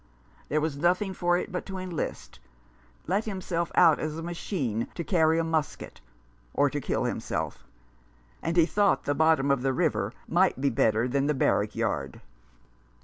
There was nothing for it but to enlist — let himself out as a machine to carry a musket — or to kill himself ; and he thought the bottom of the river might be better than the barrack yard.